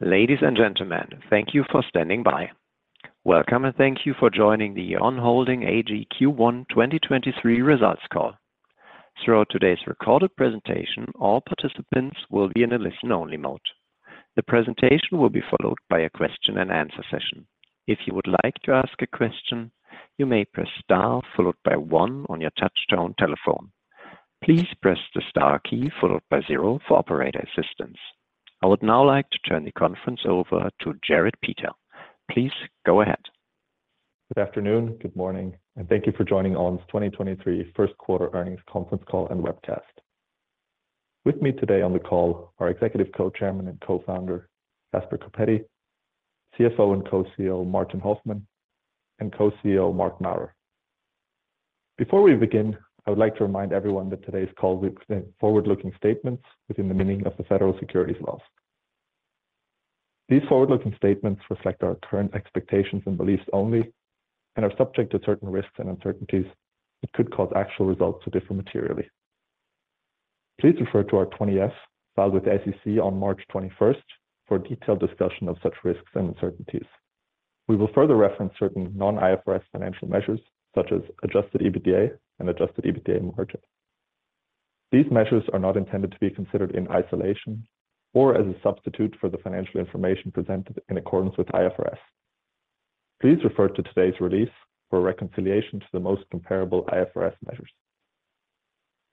Ladies and gentlemen, thank you for standing by. Welcome and thank you for joining the On Holding AG Q1 2023 results call. Throughout today's recorded presentation, all participants will be in a listen-only mode. The presentation will be followed by a question and answer session. If you would like to ask a question, you may press star followed by one on your touchtone telephone. Please press the star key followed by zero for operator assistance. I would now like to turn the conference over to Jerrit Peter. Please go ahead. Good afternoon, good morning, and thank you for joining On's 2023 first quarter earnings conference call and webcast. With me today on the call are executive co-chairman and co-founder, Caspar Coppetti, CFO and co-CEO, Martin Hoffmann, and co-CEO, Marc Maurer. Before we begin, I would like to remind everyone that today's call will contain forward-looking statements within the meaning of the federal securities laws. These forward-looking statements reflect our current expectations and beliefs only, and are subject to certain risks and uncertainties that could cause actual results to differ materially. Please refer to our Form 20-F filed with the SEC on March 21st for detailed discussion of such risks and uncertainties. We will further reference certain non-IFRS financial measures, such as adjusted EBITDA and adjusted EBITDA margin. These measures are not intended to be considered in isolation or as a substitute for the financial information presented in accordance with IFRS. Please refer to today's release for reconciliation to the most comparable IFRS measures.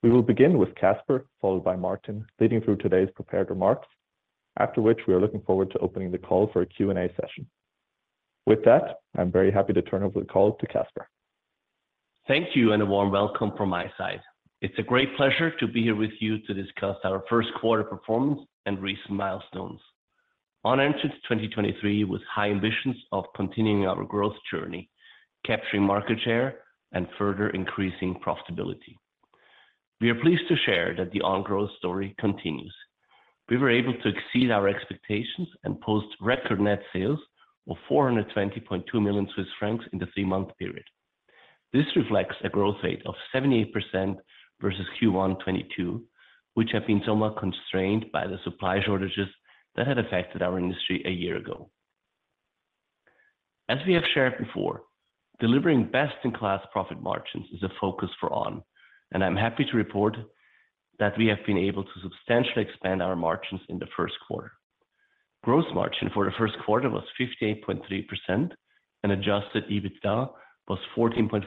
We will begin with Casper, followed by Martin, leading through today's prepared remarks, after which we are looking forward to opening the call for a Q&A session. With that, I'm very happy to turn over the call to Casper. Thank you and a warm welcome from my side. It's a great pleasure to be here with you to discuss our first quarter performance and recent milestones. On entered 2023 with high ambitions of continuing our growth journey, capturing market share, and further increasing profitability. We are pleased to share that the On growth story continues. We were able to exceed our expectations and post record net sales of 420.2 million Swiss francs in the three-month period. This reflects a growth rate of 78% versus Q1 2022, which have been somewhat constrained by the supply shortages that had affected our industry a year ago. As we have shared before, delivering best-in-class profit margins is a focus for On, and I'm happy to report that we have been able to substantially expand our margins in the first quarter. Gross margin for the first quarter was 58.3% and adjusted EBITDA was 14.5%.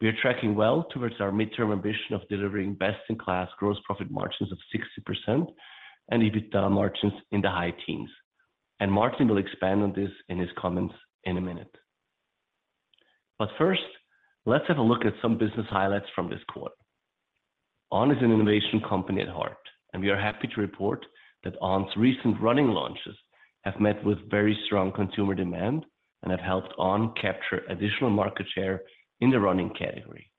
We are tracking well towards our midterm ambition of delivering best-in-class gross profit margins of 60% and EBITDA margins in the high teens. Martin will expand on this in his comments in a minute. First, let's have a look at some business highlights from this quarter. On is an innovation company at heart, and we are happy to report that On's recent running launches have met with very strong consumer demand and have helped On capture additional market share in the running category.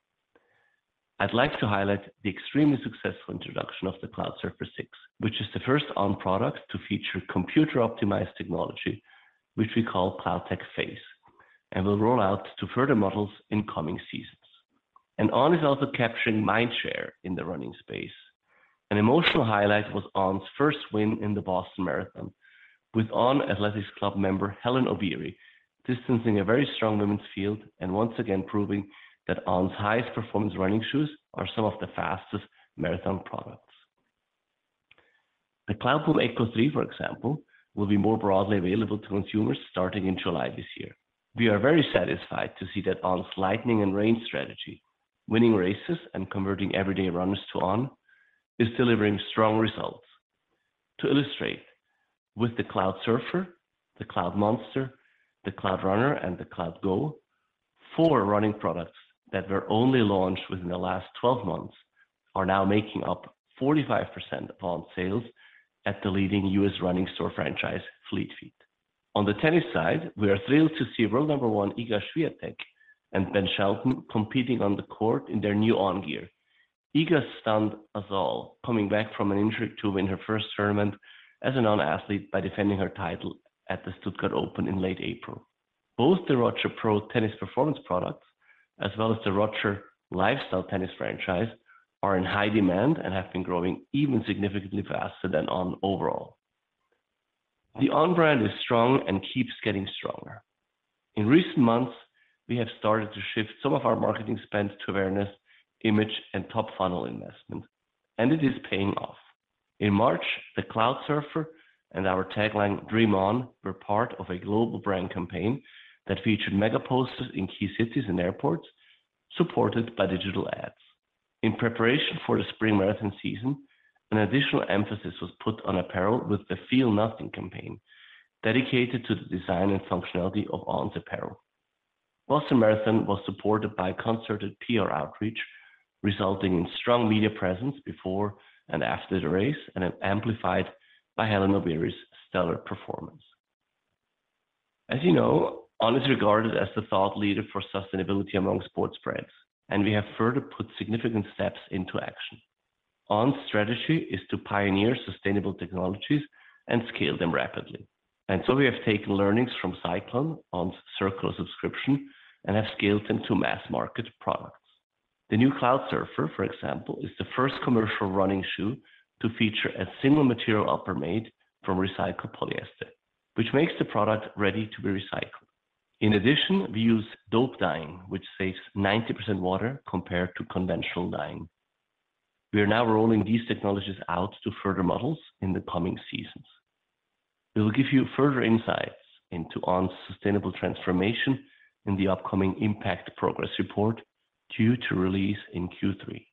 I'd like to highlight the extremely successful introduction of the Cloudsurfer 6, which is the first On product to feature computer-optimized technology, which we call CloudTec Phase, and will roll out to further models in coming seasons. On is also capturing mind share in the running space. An emotional highlight was On's first win in the Boston Marathon with On Athletics Club member Hellen Obiri, distancing a very strong women's field and once again proving that On's highest performance running shoes are some of the fastest marathon products. The Cloudboom Echo 3, for example, will be more broadly available to consumers starting in July this year. We are very satisfied to see that On's lightning and range strategy, winning races and converting everyday runners to On, is delivering strong results. To illustrate, with the Cloudsurfer, the Cloudmonster, the Cloudrunner, and the Cloudgo, four running products that were only launched within the last 12 months are now making up 45% of On's sales at the leading U.S. running store franchise, Fleet Feet. On the tennis side, we are thrilled to see world number one Iga Świątek and Ben Shelton competing on the court in their new On gear. Iga stunned us all, coming back from an injury to win her first tournament as a non-athlete by defending her title at the Stuttgart Open in late April. Both the Roger Pro Tennis Performance products, as well as the Roger Lifestyle Tennis franchise, are in high demand and have been growing even significantly faster than On overall. The On brand is strong and keeps getting stronger. In recent months, we have started to shift some of our marketing spend to awareness, image, and top funnel investment, and it is paying off. In March, the Cloudsurfer and our tagline, Dream On, were part of a global brand campaign that featured mega posters in key cities and airports, supported by digital ads. In preparation for the spring marathon season, an additional emphasis was put on apparel with the Feel Nothing campaign, dedicated to the design and functionality of On's apparel. Boston Marathon was supported by concerted PR outreach, resulting in strong media presence before and after the race, and then amplified by Hellen Obiri's stellar performance. As you know, On is regarded as the thought leader for sustainability among sports brands, and we have further put significant steps into action. On's strategy is to pioneer sustainable technologies and scale them rapidly. We have taken learnings from Cyclon, On's circular subscription, and have scaled them to mass market products. The new Cloudsurfer, for example, is the first commercial running shoe to feature a single material upper made from recycled polyester, which makes the product ready to be recycled. In addition, we use dope dyeing, which saves 90% water compared to conventional dyeing. We are now rolling these technologies out to further models in the coming seasons. We will give you further insights into On's sustainable transformation in the upcoming Impact Progress Report due to release in Q3.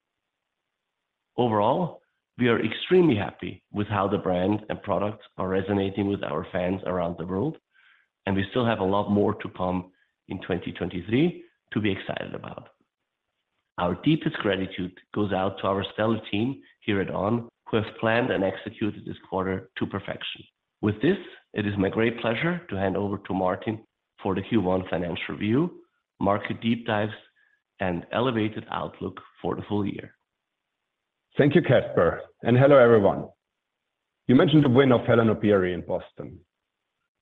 Overall, we are extremely happy with how the brand and products are resonating with our fans around the world, and we still have a lot more to come in 2023 to be excited about. Our deepest gratitude goes out to our stellar team here at On, who have planned and executed this quarter to perfection. With this, it is my great pleasure to hand over to Martin for the Q1 financial review, market deep dives, and elevated outlook for the full year. Thank you, Caspar. Hello, everyone. You mentioned the win of Hellen Obiri in Boston.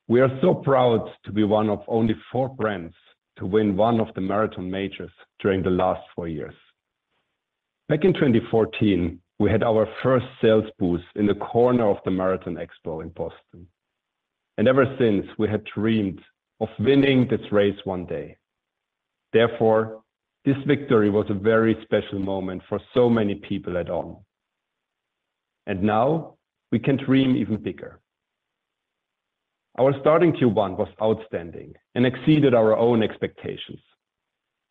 We are so proud to be one of only four brands to win one of the marathon majors during the last four years. Back in 2014, we had our first sales booth in the corner of the marathon expo in Boston. Ever since, we had dreamed of winning this race one day. Therefore, this victory was a very special moment for so many people at On. Now we can dream even bigger. Our starting Q1 was outstanding and exceeded our own expectations.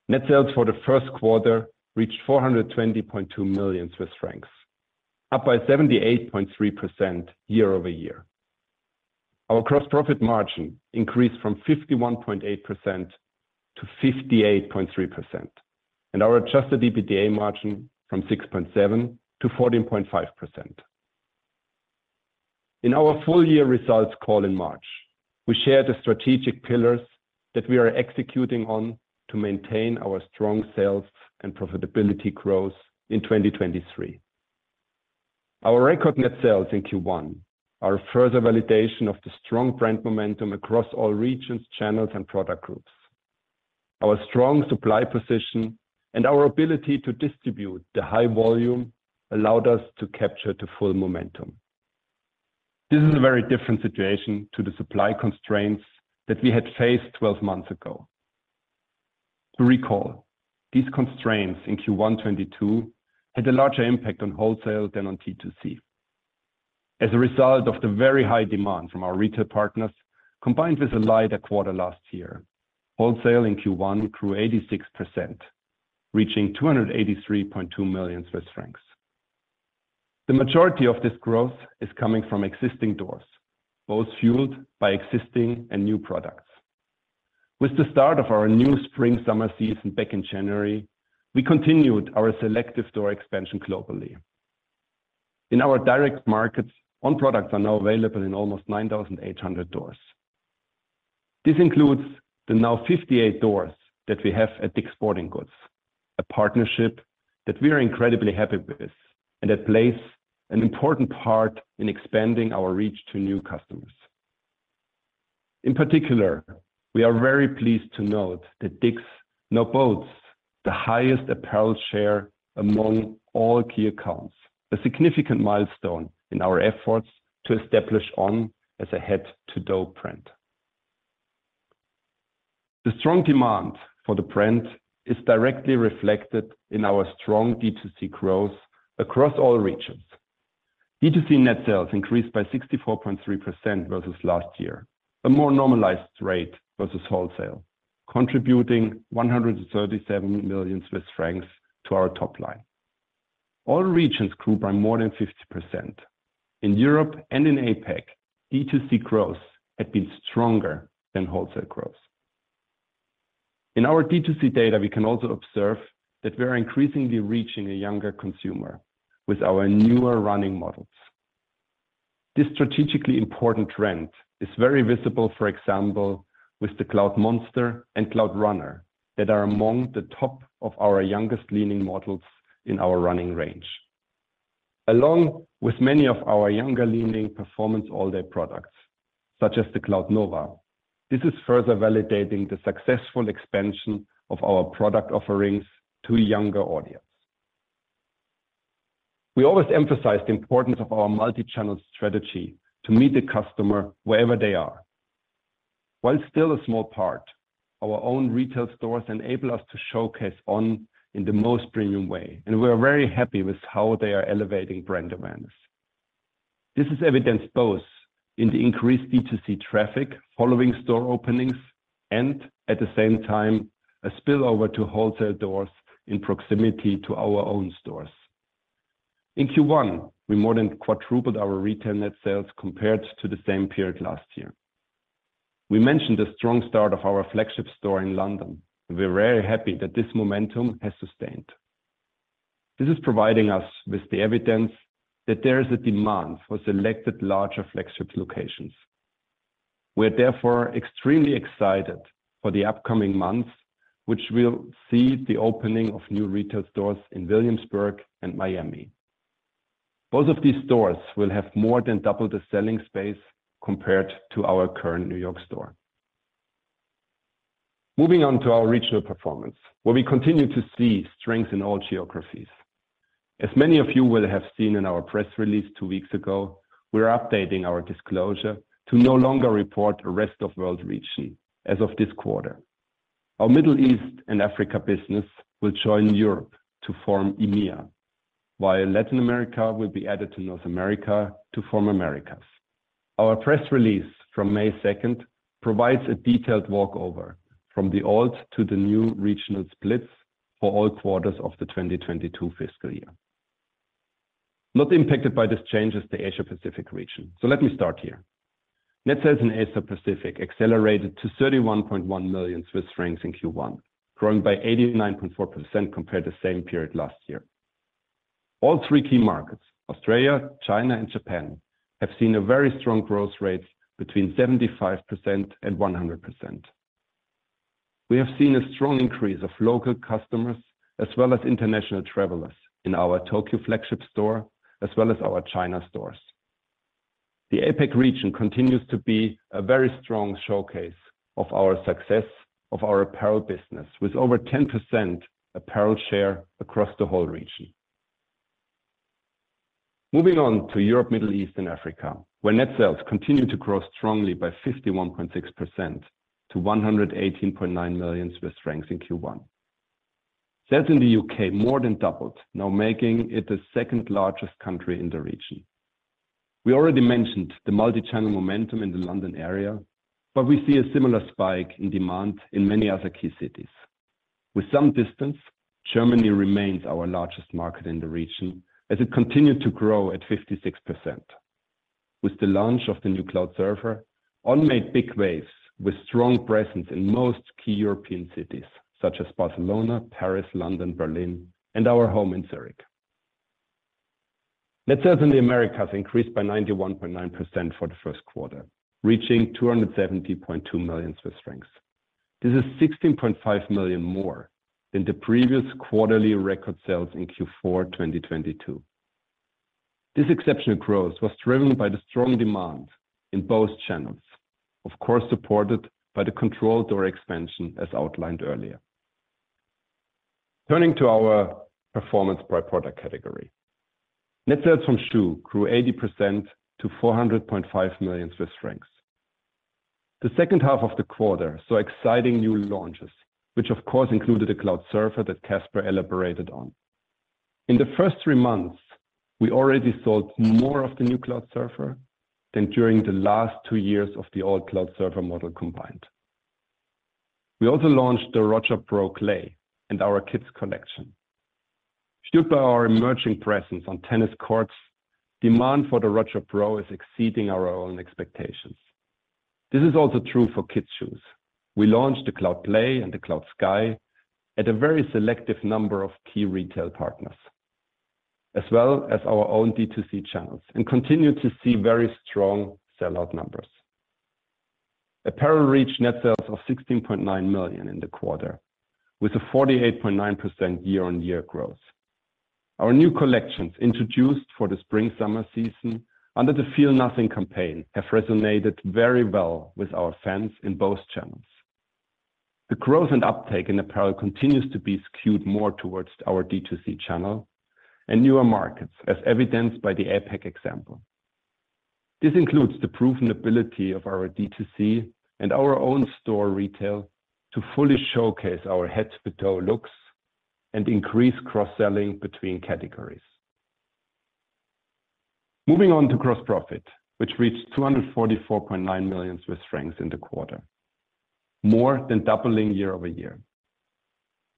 Net sales for the first quarter reached 420.2 million Swiss francs, up by 78.3% year-over-year. Our gross profit margin increased from 51.8%-58.3%, and our adjusted EBITDA margin from 6.7%-14.5%. In our full year results call in March, we shared the strategic pillars that we are executing on to maintain our strong sales and profitability growth in 2023. Our record net sales in Q1 are further validation of the strong brand momentum across all regions, channels, and product groups. Our strong supply position and our ability to distribute the high volume allowed us to capture the full momentum. This is a very different situation to the supply constraints that we had faced 12 months ago. To recall, these constraints in Q1 2022 had a larger impact on wholesale than on D2C. As a result of the very high demand from our retail partners, combined with a lighter quarter last year, wholesale in Q1 grew 86%, reaching 283.2 million Swiss francs. The majority of this growth is coming from existing doors, both fueled by existing and new products. With the start of our new spring/summer season back in January, we continued our selective store expansion globally. In our direct markets, On products are now available in almost 9,800 stores. This includes the now 58 stores that we have at DICK'S Sporting Goods, a partnership that we are incredibly happy with and that plays an important part in expanding our reach to new customers. In particular, we are very pleased to note that DICK'S now boasts the highest apparel share among all key accounts, a significant milestone in our efforts to establish On as a head to toe brand. The strong demand for the brand is directly reflected in our strong D2C growth across all regions. D2C net sales increased by 64.3% versus last year, a more normalized rate versus wholesale, contributing 137 million Swiss francs to our top line. All regions grew by more than 50%. In Europe and in APAC, D2C growth had been stronger than wholesale growth. In our D2C data, we can also observe that we are increasingly reaching a younger consumer with our newer running models. This strategically important trend is very visible, for example, with the Cloudmonster and Cloudrunner that are among the top of our youngest leaning models in our running range. Along with many of our younger leaning performance all-day products, such as the Cloudnova, this is further validating the successful expansion of our product offerings to a younger audience. We always emphasize the importance of our multi-channel strategy to meet the customer wherever they are. While still a small part, our own retail stores enable us to showcase On in the most premium way, and we are very happy with how they are elevating brand awareness. This is evidenced both in the increased D2C traffic following store openings and, at the same time, a spillover to wholesale doors in proximity to our own stores. In Q1, we more than quadrupled our retail net sales compared to the same period last year. We mentioned the strong start of our flagship store in London. We're very happy that this momentum has sustained. This is providing us with the evidence that there is a demand for selected larger flagship locations. We are therefore extremely excited for the upcoming months, which will see the opening of new retail stores in Williamsburg and Miami. Both of these stores will have more than double the selling space compared to our current New York store. Moving on to our regional performance, where we continue to see strength in all geographies. As many of you will have seen in our press release two weeks ago, we're updating our disclosure to no longer report the rest of world region as of this quarter. Our Middle East and Africa business will join Europe to form EMEA, while Latin America will be added to North America to form Americas. Our press release from May second provides a detailed walkover from the old to the new regional splits for all quarters of the 2022 fiscal year. Not impacted by this change is the Asia-Pacific region. Let me start here. Net sales in Asia-Pacific accelerated to 31.1 million Swiss francs in Q1, growing by 89.4% compared to same period last year. All three key markets, Australia, China, and Japan, have seen a very strong growth rate between 75% and 100%. We have seen a strong increase of local customers as well as international travelers in our Tokyo flagship store, as well as our China stores. The APAC region continues to be a very strong showcase of our success of our apparel business, with over 10% apparel share across the whole region. Moving on to Europe, Middle East, and Africa, where net sales continue to grow strongly by 51.6% to 118.9 million Swiss francs in Q1. Sales in the U.K. more than doubled, now making it the second largest country in the region. We already mentioned the multi-channel momentum in the London area. We see a similar spike in demand in many other key cities. With some distance, Germany remains our largest market in the region as it continued to grow at 56%. With the launch of the new Cloudsurfer, On made big waves with strong presence in most key European cities, such as Barcelona, Paris, London, Berlin, and our home in Zurich. Net sales in the Americas increased by 91.9% for the first quarter, reaching 270.2 million Swiss francs. This is 16.5 million more than the previous quarterly record sales in Q4 2022. This exceptional growth was driven by the strong demand in both channels, of course, supported by the controlled door expansion as outlined earlier. Turning to our performance by product category. Net sales from shoe grew 80% to 400.5 million Swiss francs. The second half of the quarter saw exciting new launches, which of course included a Cloudsurfer that Casper elaborated on. In the first one months, we already sold more of the new Cloudsurfer than during the last two years of the old Cloudsurfer model combined. We also launched the ROGER Pro Clay and our kids collection. Fueled by our emerging presence on tennis courts, demand for the ROGER Pro is exceeding our own expectations. This is also true for kids shoes. We launched the Cloudplay and the Cloudsky at a very selective number of key retail partners, as well as our own D2C channels, and continue to see very strong sell-out numbers. Apparel reached net sales of 16.9 million in the quarter, with a 48.9% year-on-year growth. Our new collections introduced for the spring/summer season under the Feel Nothing campaign have resonated very well with our fans in both channels. The growth and uptake in apparel continues to be skewed more towards our D2C channel and newer markets, as evidenced by the APAC example. This includes the proven ability of our D2C and our own store retail to fully showcase our head-to-toe looks and increase cross-selling between categories. Gross profit, which reached 244.9 million Swiss francs in the quarter, more than doubling year-over-year.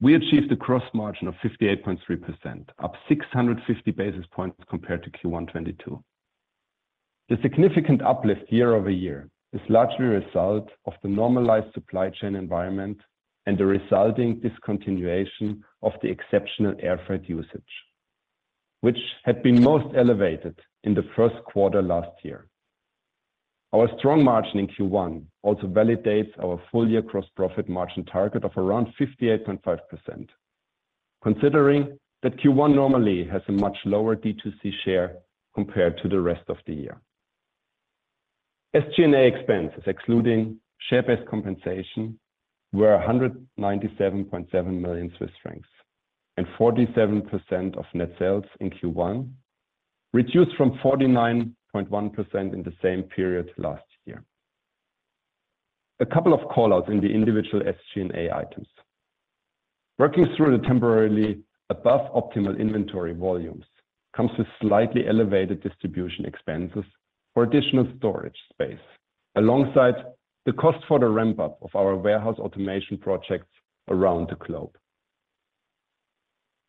We achieved a cross margin of 58.3%, up 650 basis points compared to Q1 2022. The significant uplift year-over-year is largely a result of the normalized supply chain environment and the resulting discontinuation of the exceptional air freight usage, which had been most elevated in the first quarter last year. Our strong margin in Q1 also validates our full year gross profit margin target of around 58.5%, considering that Q1 normally has a much lower D2C share compared to the rest of the year. SG&A expenses excluding share-based compensation were 197.7 million Swiss francs, and 47% of net sales in Q1, reduced from 49.1% in the same period last year. A couple of callouts in the individual SG&A items. Working through the temporarily above optimal inventory volumes comes with slightly elevated distribution expenses for additional storage space alongside the cost for the ramp-up of our warehouse automation projects around the globe.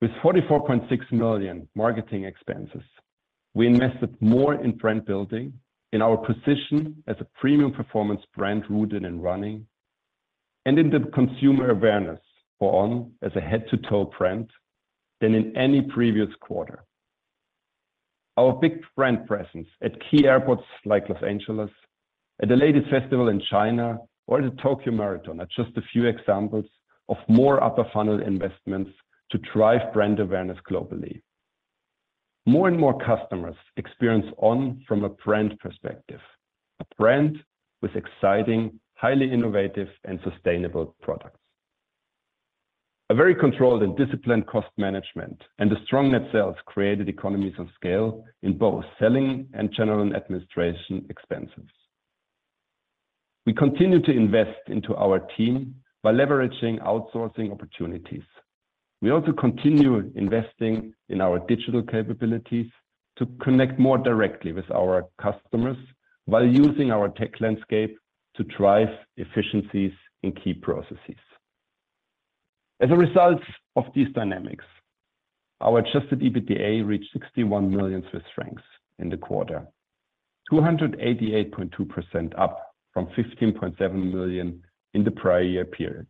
With 44.6 million marketing expenses, we invested more in brand building in our position as a premium performance brand rooted in running and in the consumer awareness for On as a head-to-toe brand than in any previous quarter. Our big brand presence at key airports like Los Angeles, at the latest festival in China or the Tokyo Marathon are just a few examples of more upper funnel investments to drive brand awareness globally. More and more customers experience On from a brand perspective, a brand with exciting, highly innovative and sustainable products. A very controlled and disciplined cost management and a strong net sales created economies of scale in both selling and general and administration expenses. We continue to invest into our team by leveraging outsourcing opportunities. We also continue investing in our digital capabilities to connect more directly with our customers while using our tech landscape to drive efficiencies in key processes. As a result of these dynamics, our adjusted EBITDA reached 61 million Swiss francs in the quarter, 288.2% up from 15.7 million in the prior year period.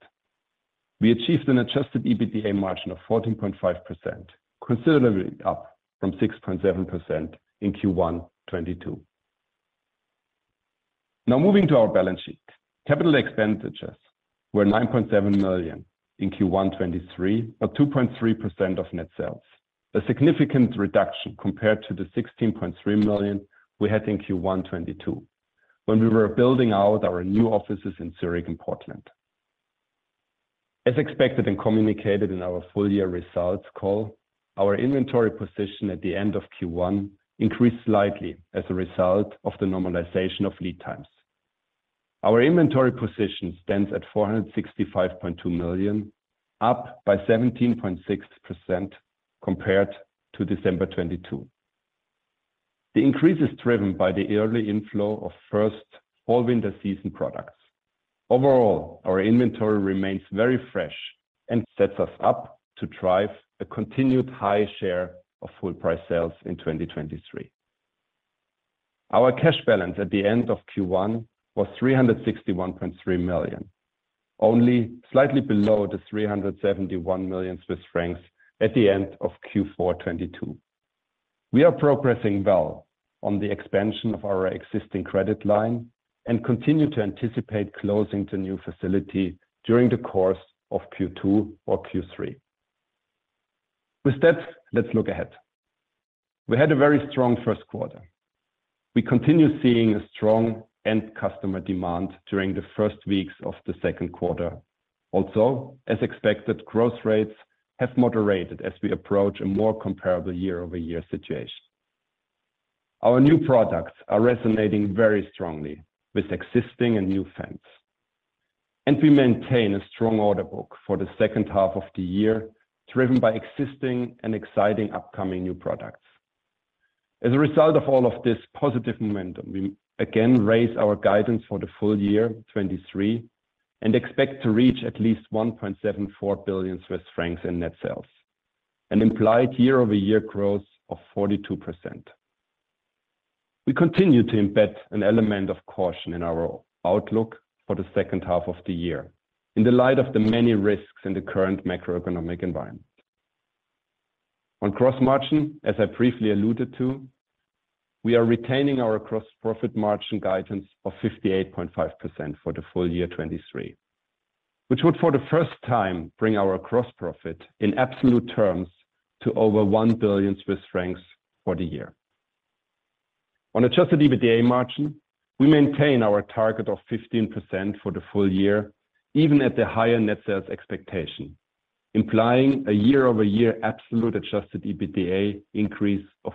We achieved an adjusted EBITDA margin of 14.5%, considerably up from 6.7% in Q1 '22. Moving to our balance sheet. Capital expenditures were 9.7 million in Q1 '23, 2.3% of net sales. A significant reduction compared to the 16.3 million we had in Q1 '22, when we were building out our new offices in Zurich and Portland. As expected and communicated in our full year results call, our inventory position at the end of Q1 increased slightly as a result of the normalization of lead times. Our inventory position stands at 465.2 million, up by 17.6% compared to December 2022. The increase is driven by the early inflow of first fall/winter season products. Overall, our inventory remains very fresh and sets us up to drive a continued high share of full price sales in 2023. Our cash balance at the end of Q1 was 361.3 million, only slightly below the 371 million Swiss francs at the end of Q4 2022. We are progressing well on the expansion of our existing credit line and continue to anticipate closing the new facility during the course of Q2 or Q3. With that, let's look ahead. We had a very strong first quarter. We continue seeing a strong end customer demand during the first weeks of the second quarter. Also, as expected, growth rates have moderated as we approach a more comparable year-over-year situation. Our new products are resonating very strongly with existing and new fans, and we maintain a strong order book for the second half of the year, driven by existing and exciting upcoming new products. As a result of all of this positive momentum, we again raise our guidance for the full year 2023 and expect to reach at least 1.74 billion Swiss francs in net sales, an implied year-over-year growth of 42%. We continue to embed an element of caution in our outlook for the second half of the year in the light of the many risks in the current macroeconomic environment. On gross margin, as I briefly alluded to, we are retaining our gross profit margin guidance of 58.5% for the full year 2023, which would for the first time bring our gross profit in absolute terms to over 1 billion Swiss francs for the year. On adjusted EBITDA margin, we maintain our target of 15% for the full year, even at the higher net sales expectation, implying a year-over-year absolute adjusted EBITDA increase of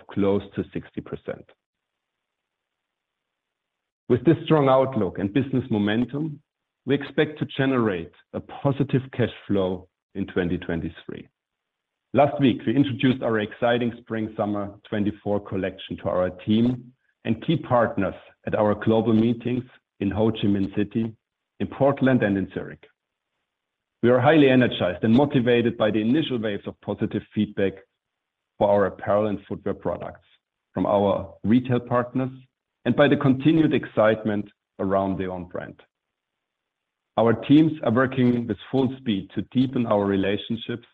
close to 60%. With this strong outlook and business momentum, we expect to generate a positive cash flow in 2023. Last week, we introduced our exciting spring/summer 2024 collection to our team and key partners at our global meetings in Ho Chi Minh City, in Portland and in Zurich. We are highly energized and motivated by the initial waves of positive feedback for our apparel and footwear products from our retail partners and by the continued excitement around the On brand. Our teams are working with full speed to deepen our relationships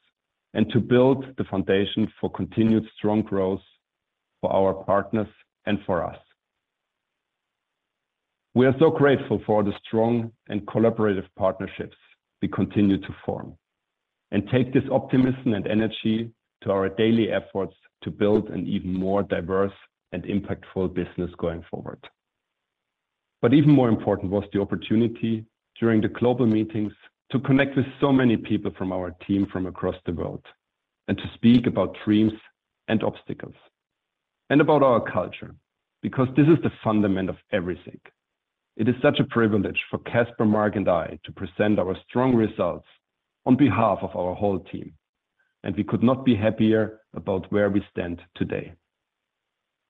and to build the foundation for continued strong growth for our partners and for us. We are so grateful for the strong and collaborative partnerships we continue to form and take this optimism and energy to our daily efforts to build an even more diverse and impactful business going forward. Even more important was the opportunity during the global meetings to connect with so many people from our team from across the world and to speak about dreams and obstacles and about our culture, because this is the fundament of everything. It is such a privilege for Caspar, Mark and I to present our strong results on behalf of our whole team. We could not be happier about where we stand today.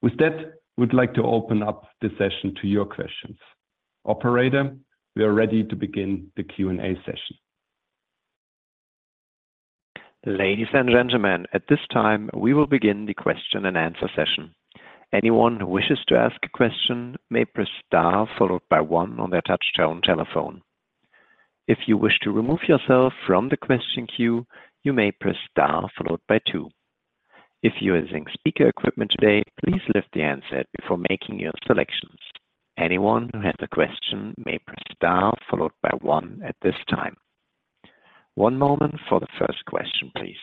With that, we'd like to open up the session to your questions. Operator, we are ready to begin the Q&A session. Ladies and gentlemen, at this time, we will begin the question and answer session. Anyone who wishes to ask a question may press star followed by one on their touchtone telephone. If you wish to remove yourself from the question queue, you may press star followed by two. If you are using speaker equipment today, please lift the handset before making your selections. Anyone who has a question may press star followed by one at this time. One moment for the first question, please.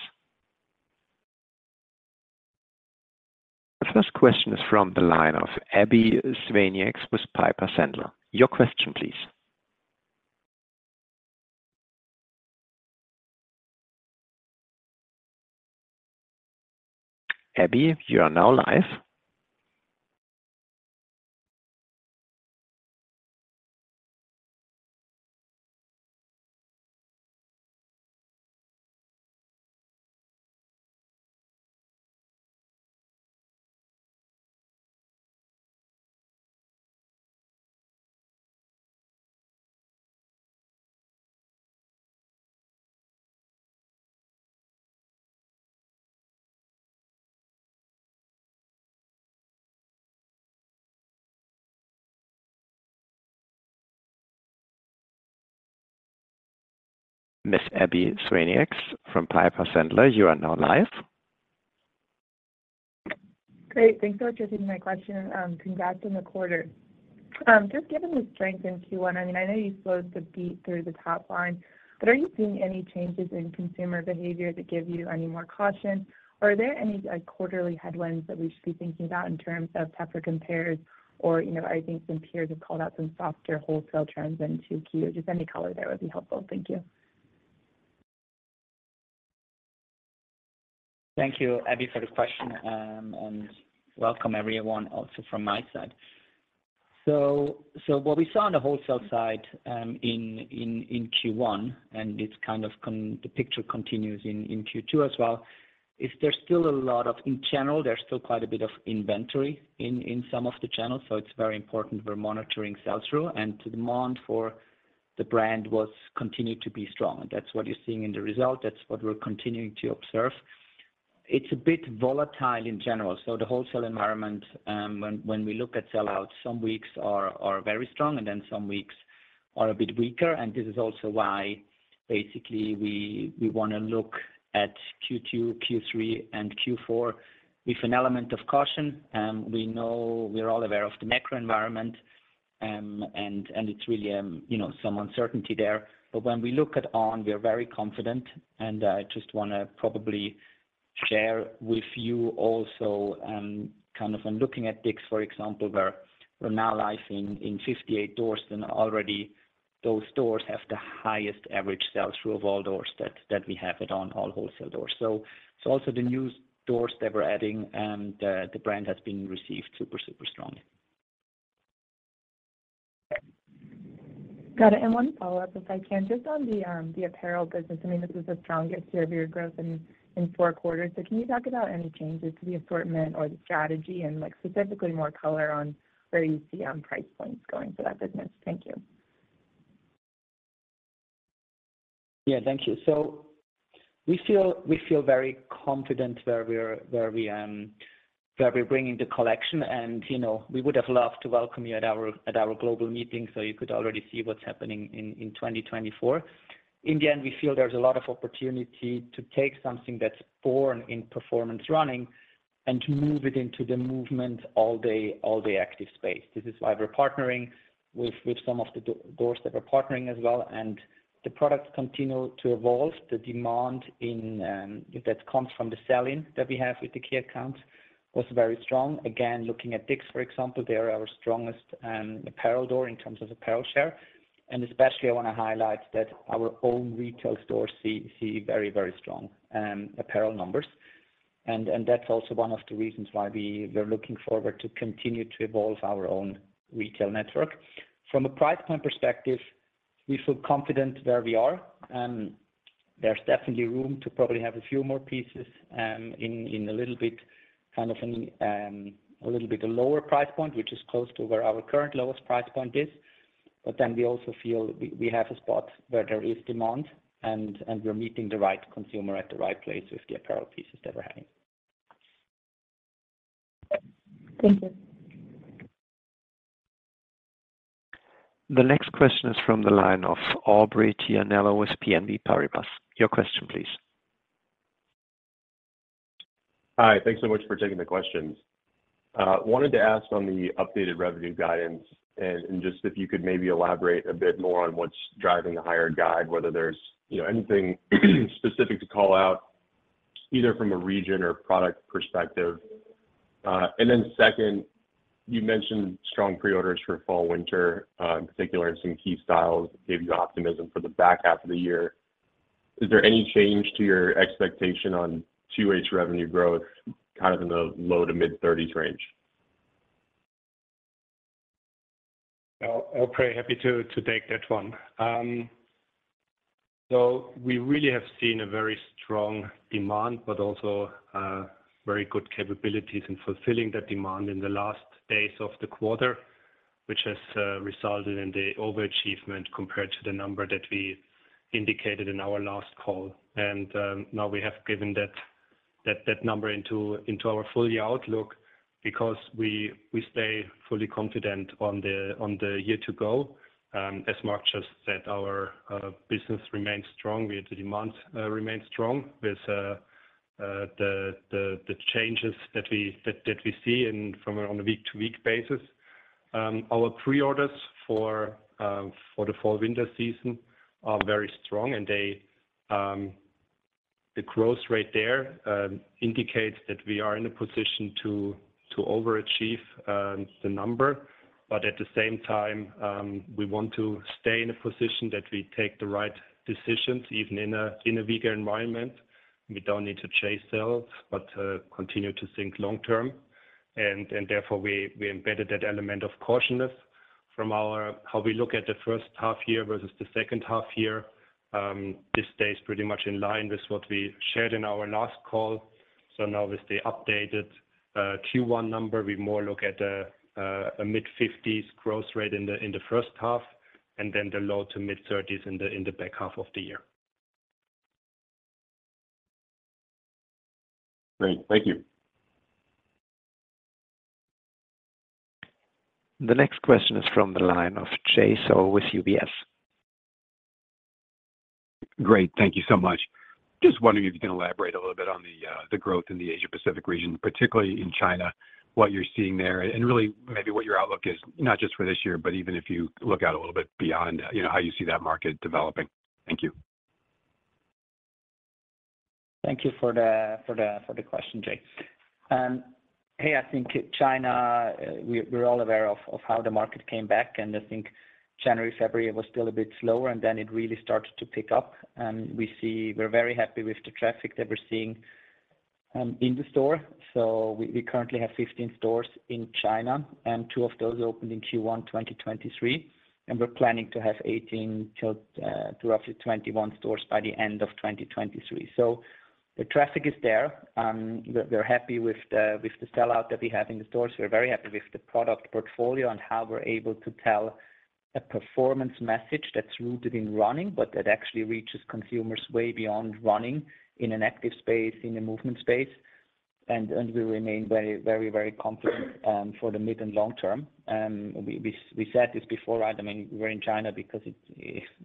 The first question is from the line of Abbie Zvejnieks with Piper Sandler. Your question please. Abby, you are now live. Ms. Abbie Zvejnieks from Piper Sandler, you are now live. Great. Thanks so much for taking my question. Congrats on the quarter. Just given the strength in Q1, I mean, I know you slowed the beat through the top line, but are you seeing any changes in consumer behavior that give you any more caution? Or are there any, like, quarterly headwinds that we should be thinking about in terms of temper compares? Or, you know, I think some peers have called out some softer wholesale trends in Q2. Just any color there would be helpful. Thank you. Thank you, Abbie, for the question, and welcome everyone also from my side. What we saw on the wholesale side in Q1, and it's kind of the picture continues in Q2 as well, is there's still a lot of. In general, there's still quite a bit of inventory in some of the channels, so it's very important we're monitoring sell-through, and demand for the brand was continued to be strong. That's what you're seeing in the result. That's what we're continuing to observe. It's a bit volatile in general. The wholesale environment, when we look at sell-out, some weeks are very strong, and then some weeks are a bit weaker. This is also why basically we wanna look at Q2, Q3, and Q4 with an element of caution. We know we're all aware of the macro environment, and it's really, you know, some uncertainty there. When we look at On, we are very confident, and I just wanna probably share with you also, kind of when looking at Dick's, for example, where we're now live in 58 doors, and already those stores have the highest average sell-through of all doors that we have at On all wholesale doors. Also the new stores that we're adding, the brand has been received super strongly. Got it. One follow-up, if I can. Just on the apparel business, I mean, this is the strongest year of your growth in four quarters. Can you talk about any changes to the assortment or the strategy and, like, specifically more color on where you see price points going for that business? Thank you. Yeah. Thank you. We feel very confident where we're bringing the collection and, you know, we would have loved to welcome you at our global meeting, so you could already see what's happening in 2024. In the end, we feel there's a lot of opportunity to take something that's born in performance running and to move it into the movement all day active space. This is why we're partnering with some of the d-doors that we're partnering as well, and the products continue to evolve. The demand in that comes from the sell-in that we have with the key accounts was very strong. Again, looking at Dick's, for example, they are our strongest apparel door in terms of apparel share. Especially I wanna highlight that our own retail stores see very, very strong apparel numbers. That's also one of the reasons why we're looking forward to continue to evolve our own retail network. From a price point perspective, we feel confident where we are. There's definitely room to probably have a few more pieces in a little bit, kind of in a little bit lower price point, which is close to where our current lowest price point is. We also feel we have a spot where there is demand and we're meeting the right consumer at the right place with the apparel pieces that we're having. Thank you. The next question is from the line of Aubrey Tianello with BNP Paribas. Your question please. Hi. Thanks so much for taking the questions. wanted to ask on the updated revenue guidance and just if you could maybe elaborate a bit more on what's driving the higher guide, whether there's, you know, anything specific to call out either from a region or product perspective. Then second, you mentioned strong pre-orders for fall/winter, in particular in some key styles gave you optimism for the back half of the year. Is there any change to your expectation on 2H revenue growth kind of in the low to mid-thirties range? Aubrey, happy to take that one. We really have seen a very strong demand but also, very good capabilities in fulfilling that demand in the last days of the quarter, which has resulted in the overachievement compared to the number that we indicated in our last call. Now we have given that number into our full year outlook because we stay fully confident on the year to go. As much as that our business remains strong, we have the demand remains strong with the changes that we see in from a on a week-to-week basis. Our pre-orders for the fall winter season are very strong and the growth rate there indicates that we are in a position to overachieve the number. At the same time, we want to stay in a position that we take the right decisions even in a weaker environment. We don't need to chase sales, but continue to think long term and therefore we embedded that element of cautiousness how we look at the first half year versus the second half year. This stays pretty much in line with what we shared in our last call. Now with the updated Q1 number, we more look at a mid-50s% growth rate in the first half and then the low to mid-30s% in the back half of the year. Great. Thank you. The next question is from the line of Jay Sole with UBS. Great. Thank you so much. Just wondering if you can elaborate a little bit on the growth in the Asia Pacific region, particularly in China, what you're seeing there and really maybe what your outlook is, not just for this year, but even if you look out a little bit beyond, you know, how you see that market developing. Thank you. Thank you for the question, Jay. hey, I think China, we're all aware of how the market came back and I think January, February it was still a bit slower and then it really started to pick up. we're very happy with the traffic that we're seeing in the store. we currently have 15 stores in China and two of those opened in Q1, 2023. we're planning to have 18 till to roughly 21 stores by the end of 2023. the traffic is there. we're happy with the sellout that we have in the stores. We're very happy with the product portfolio and how we're able to tell a performance message that's rooted in running but that actually reaches consumers way beyond running in an active space, in a movement space. We remain very confident for the mid and long term. We said this before, right? I mean, we're in China because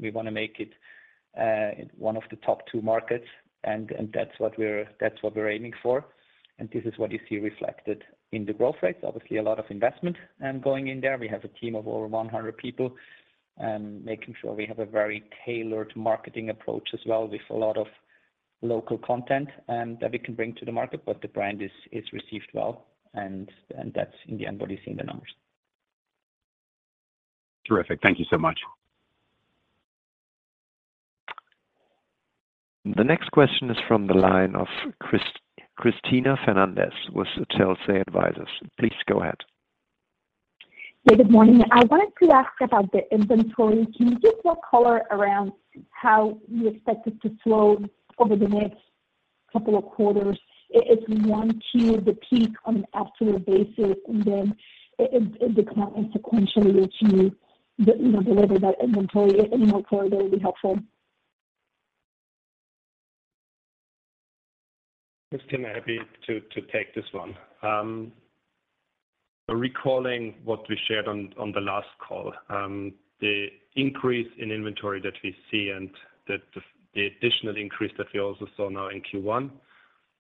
we want to make it one of the top two markets and that's what we're aiming for. This is what you see reflected in the growth rates. Obviously a lot of investment going in there. We have a team of over 100 people making sure we have a very tailored marketing approach as well with a lot of local content that we can bring to the market. The brand is received well and that's in the end what you see in the numbers. Terrific. Thank you so much. The next question is from the line of Cristina Fernández with Telsey Advisory Group. Please go ahead. Hey, good morning. I wanted to ask about the inventory. Can you give more color around how you expect it to flow over the next couple of quarters? If you want to, the peak on an absolute basis and then if the comment sequentially as you know, deliver that inventory, any more color there would be helpful. Cristina, happy to take this one. Recalling what we shared on the last call, the increase in inventory that we see and the additional increase that we also saw now in Q1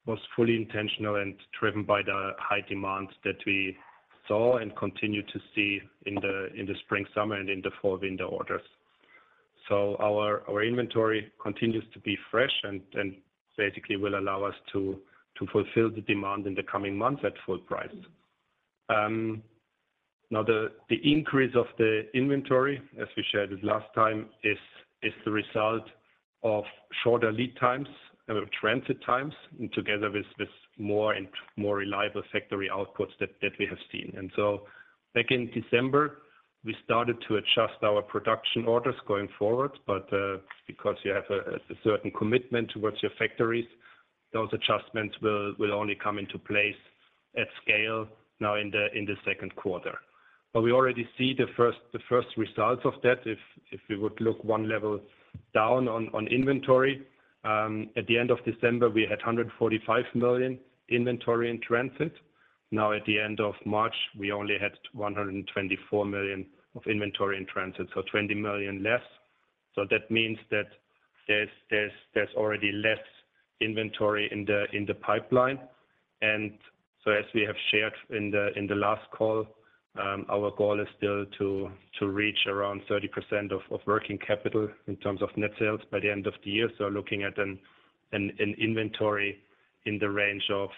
was fully intentional and driven by the high demand that we saw and continue to see in the spring, summer and in the fall winter orders. Our inventory continues to be fresh and basically will allow us to fulfill the demand in the coming months at full price. Now the increase of the inventory, as we shared it last time, is the result of shorter lead times, transit times and together with more and more reliable factory outputs that we have seen. Back in December we started to adjust our production orders going forward but, because you have a certain commitment towards your factories, those adjustments will only come into place at scale now in the second quarter. We already see the first results of that if we would look one level down on inventory. At the end of December we had 145 million inventory in transit. Now at the end of March we only had 124 million of inventory in transit, so 20 million less. That means that there's already less inventory in the pipeline. As we have shared in the last call, our goal is still to reach around 30% of working capital in terms of net sales by the end of the year. Looking at an inventory in the range of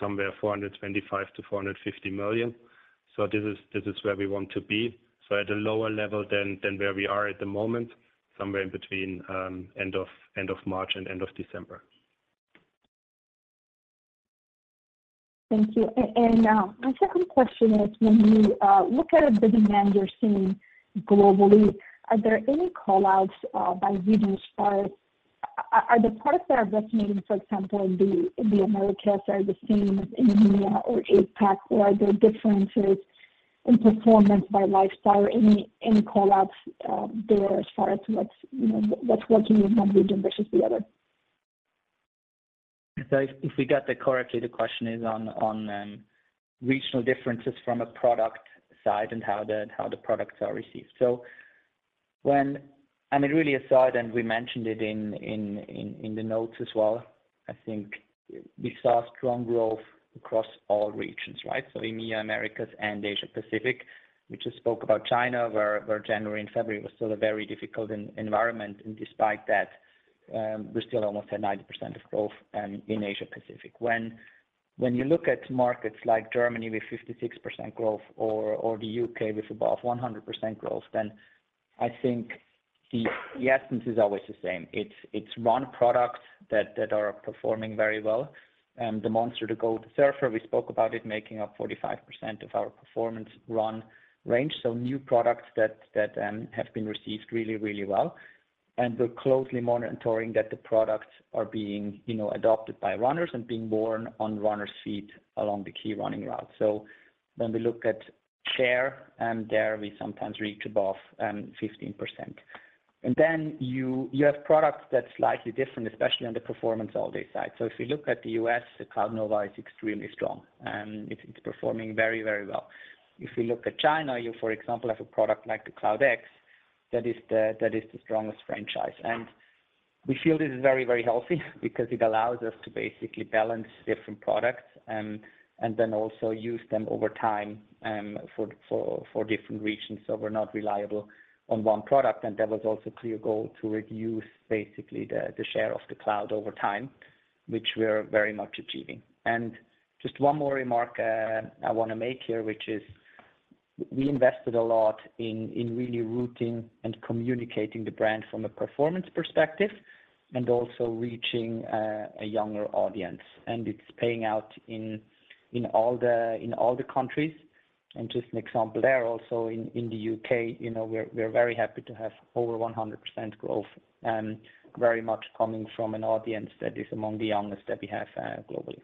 somewhere 425 million-450 million. This is where we want to be. At a lower level than where we are at the moment, somewhere in between end of March and end of December. Thank you. My second question is when you look at the demand you're seeing globally, are there any call outs by region as far as...Are the parts that are resonating, for example, the Americas, are the same as EMEA or APAC, or are there differences? In performance by lifestyle, any call outs, there as far as what's, you know, what's working in one region versus the other? If we got that correctly, the question is on regional differences from a product side and how the products are received. I mean, really aside, and we mentioned it in the notes as well, I think we saw strong growth across all regions, right? EMEA, Americas and Asia Pacific. We just spoke about China, where January and February was still a very difficult environment, and despite that, we're still almost at 90% of growth in Asia Pacific. When you look at markets like Germany with 56% growth or the U.K with above 100% growth, then I think the essence is always the same. It's run products that are performing very well. The Cloudmonster, the Gold, the Cloudsurfer, we spoke about it making up 45% of our performance run range. New products that have been received really, really well. We're closely monitoring that the products are being, you know, adopted by runners and being worn on runners' feet along the key running routes. When we look at share, there we sometimes reach above 15%. You have products that's slightly different, especially on the performance all day side. If you look at the U.S., the Cloudnova is extremely strong, it's performing very, very well. If you look at China, you for example, have a product like the Cloud X that is the strongest franchise. We feel this is very, very healthy because it allows us to basically balance different products, and then also use them over time for different regions. We're not reliable on one product. That was also a clear goal to reduce basically the share of the Cloud over time, which we're very much achieving. Just one more remark I wanna make here, which is we invested a lot in really rooting and communicating the brand from a performance perspective and also reaching a younger audience. It's paying out in all the countries. Just an example there also in the U.K, you know, we are very happy to have over 100% growth very much coming from an audience that is among the youngest that we have globally.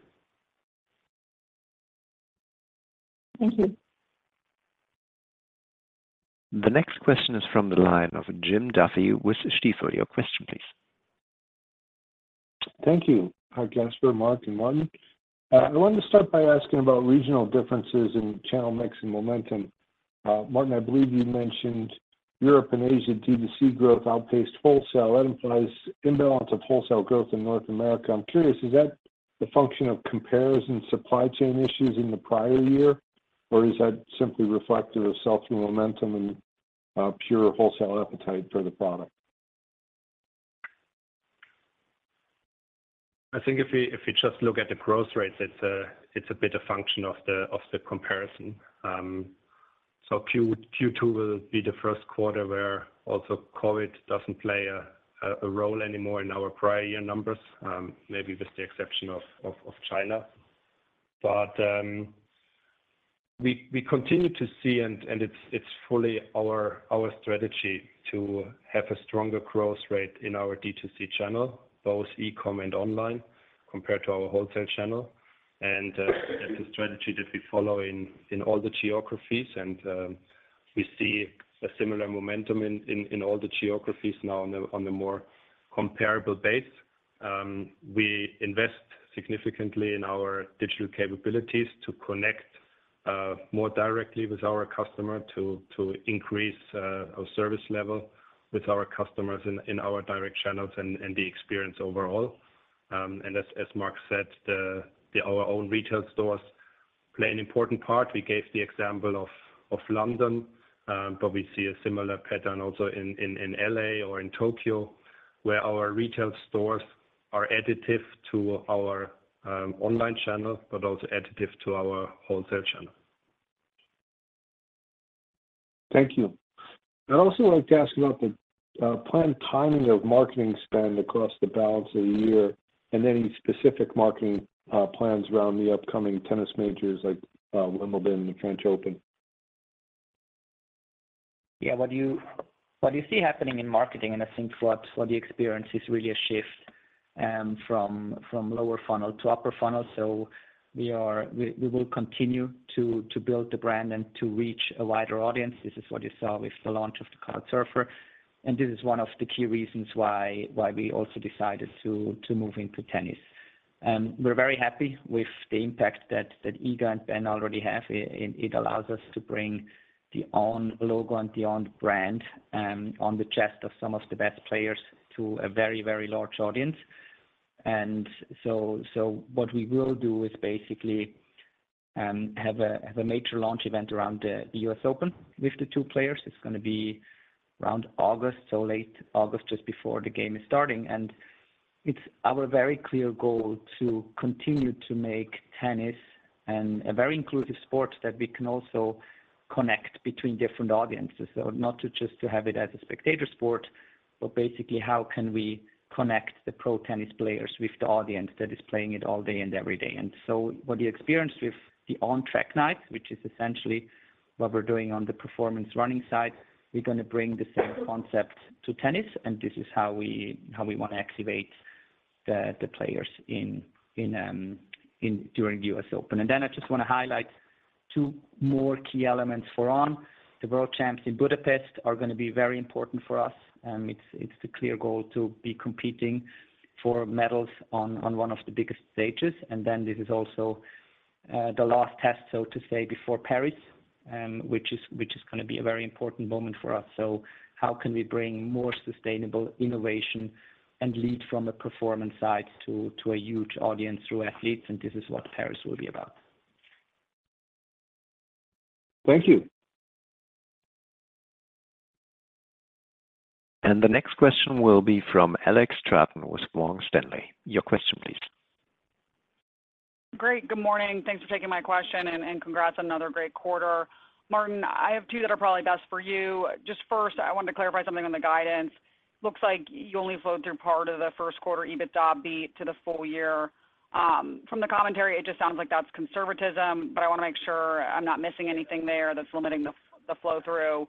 Thank you. The next question is from the line of Jim Duffy with Stifel. Your question please. Thank you. Hi Caspar, Marc, and Martin Hoffmann. I wanted to start by asking about regional differences in channel mix and momentum. Martin Hoffmann, I believe you mentioned Europe and Asia D2C growth outpaced wholesale. That implies imbalance of wholesale growth in North America. I'm curious, is that the function of comparison supply chain issues in the prior year, or is that simply reflective of self-momentum and pure wholesale appetite for the product? I think if we just look at the growth rates, it's a bit a function of the comparison. Q2 will be the first quarter where also COVID doesn't play a role anymore in our prior year numbers, maybe with the exception of China. We continue to see, and it's fully our strategy to have a stronger growth rate in our D2C channel, both e-com and online compared to our wholesale channel. That's a strategy that we follow in all the geographies. We see a similar momentum in all the geographies now on the more comparable base. We invest significantly in our digital capabilities to connect more directly with our customer to increase our service level with our customers in our direct channels and the experience overall. As Marc said, our own retail stores play an important part. We gave the example of London, but we see a similar pattern also in L.A. or in Tokyo, where our retail stores are additive to our online channels, but also additive to our wholesale channel. Thank you. I'd also like to ask about the planned timing of marketing spend across the balance of the year and any specific marketing plans around the upcoming tennis majors like Wimbledon and the French Open. Yeah. What you see happening in marketing, and I think what the experience is really a shift from lower funnel to upper funnel. We will continue to build the brand and to reach a wider audience. This is what you saw with the launch of the Cloudsurfer, and this is one of the key reasons why we also decided to move into tennis. We're very happy with the impact that Iga and Ben already have. It allows us to bring the On logo and the On brand on the chest of some of the best players to a very, very large audience. So what we will do is basically have a major launch event around the US Open with the two players. It's gonna be around August, so late August, just before the game is starting. It's our very clear goal to continue to make tennis, a very inclusive sport that we can also connect between different audiences. Not to just to have it as a spectator sport, but basically how can we connect the pro tennis players with the audience that is playing it all day and every day. What you experienced with the On Track Nights, which is essentially what we're doing on the performance running side, we're gonna bring the same concept to tennis, and this is how we wanna activate the players during US Open. I just wanna highlight two more key elements for On. The world champs in Budapest are gonna be very important for us. It's the clear goal to be competing for medals on one of the biggest stages. This is also the last test, so to say, before Paris, which is gonna be a very important moment for us. How can we bring more sustainable innovation and lead from a performance side to a huge audience through athletes? This is what Paris will be about. Thank you. The next question will be from Alex Straton with Morgan Stanley. Your question please. Great, good morning. Thanks for taking my question and congrats on another great quarter. Martin, I have two that are probably best for you. Just first, I wanted to clarify something on the guidance. Looks like you only flowed through part of the first quarter EBITDA beat to the full year. From the commentary, it just sounds like that's conservatism, I wanna make sure I'm not missing anything there that's limiting the flow through.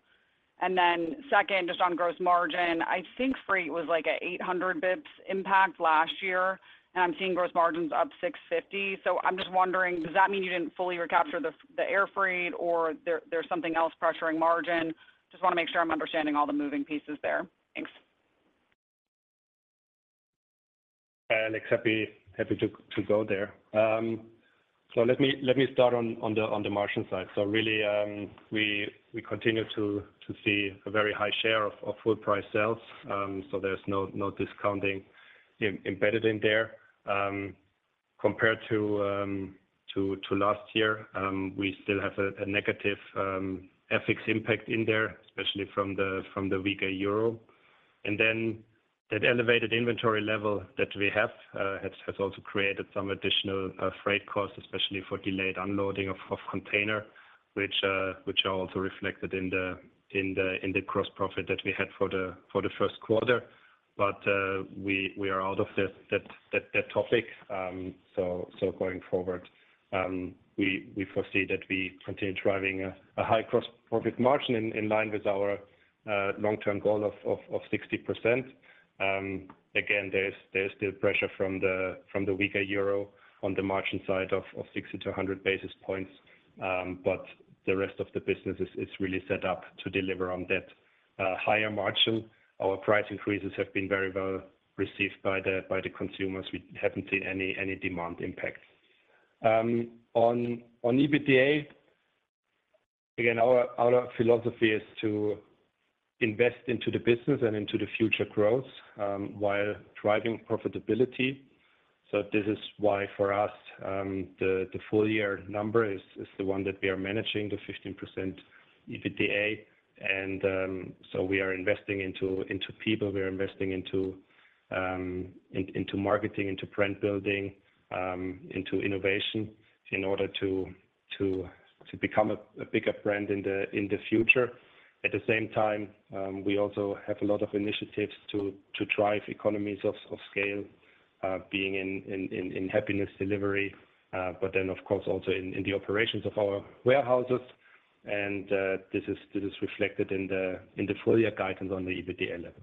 Second, just on gross margin. I think freight was like a 800 BPS impact last year, I'm seeing gross margins up 650. I'm just wondering, does that mean you didn't fully recapture the air freight or there's something else pressuring margin? Just wanna make sure I'm understanding all the moving pieces there. Thanks. Alex, happy to go there. Let me start on the margin side. Really, we continue to see a very high share of full price sales. There's no discounting embedded in there. Compared to last year, we still have a negative FX impact in there, especially from the weaker euro. That elevated inventory level that we have also created some additional freight costs, especially for delayed unloading of container, which are also reflected in the gross profit that we had for the first quarter. We are out of that topic. Going forward, we foresee that we continue driving a high gross profit margin in line with our long term goal of 60%. Again, there's still pressure from the weaker euro on the margin side of 60-100 basis points. The rest of the business is really set up to deliver on that higher margin. Our price increases have been very well received by the consumers. We haven't seen any demand impact. On EBITDA, again, our philosophy is to invest into the business and into the future growth while driving profitability. This is why for us, the full year number is the one that we are managing, the 15% EBITDA. We are investing into people. We are investing into marketing, into brand building, into innovation in order to become a bigger brand in the future. At the same time, we also have a lot of initiatives to drive economies of scale, being in happiness delivery. Of course also in the operations of our warehouses. This is reflected in the full year guidance on the EBITDA level.